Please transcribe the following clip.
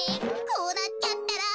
こうなっちゃったら。